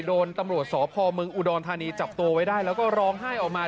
โดนตำรวจสพเมืองอุดรธานีจับตัวไว้ได้แล้วก็ร้องไห้ออกมา